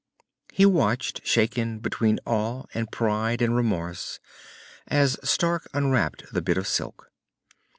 He watched, shaken between awe and pride and remorse, as Stark unwrapped the bit of silk.